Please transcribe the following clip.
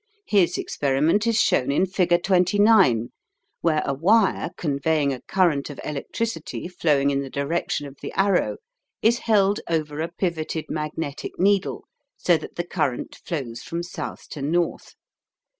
His experiment is shown in figure 29, where a wire conveying a current of electricity flowing in the direction of the arrow is held over a pivoted magnetic needle so that the current flows from south to north.